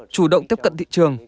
chủ động tiếp cận thị trường